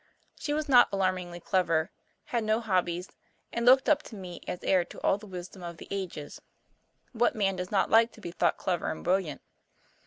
She was not alarmingly clever, had no "hobbies," and looked up to me as heir to all the wisdom of the ages what man does not like to be thought clever and brilliant?